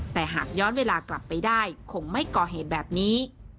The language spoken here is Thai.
แต่หากย้อนเวลากลับไปได้คงไม่ก่อเหตุแบบนี้